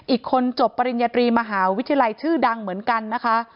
อีกคนจบปริญญาตรีมหาวิทยาลัยชื่อดังเหมือนกันนะคะ